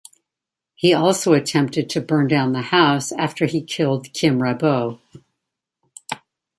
He also attempted to burn down the house after he killed Kim Rabot.